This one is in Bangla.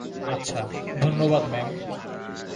আচ্ছা, ধন্যবাদ, ম্যাম।